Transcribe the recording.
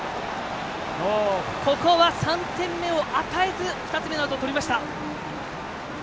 ここは３点目を与えず２つのアウトをとりました。